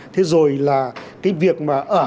thế rồi là cái việc mà ở